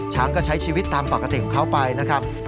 ช้างก็ใช้ชีวิตตามปกติของเขาไปนะครับ